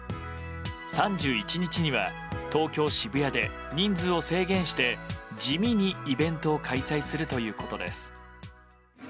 ３１日には東京・渋谷で人数を制限して地味にイベントを開催するということです。